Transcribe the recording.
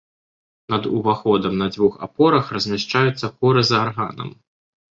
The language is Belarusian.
Над уваходам на дзвюх апорах размяшчаюцца хоры з арганам.